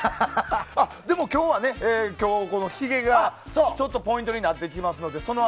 でも今日は、ひげがポイントになってきますので。